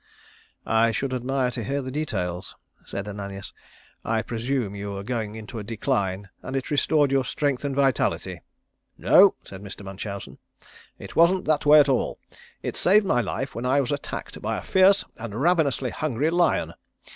"I should admire to hear the details," said Ananias. "I presume you were going into a decline and it restored your strength and vitality." "No," said Mr. Munchausen, "it wasn't that way at all. It saved my life when I was attacked by a fierce and ravenously hungry lion.